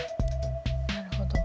なるほど。